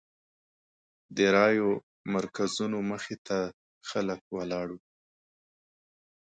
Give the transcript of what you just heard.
د رایو مرکزونو مخې ته خلک ولاړ وو.